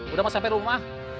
udah mau sampe rumah